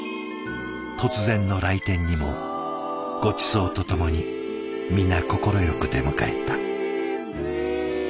突然の来店にもごちそうとともに皆快く出迎えた。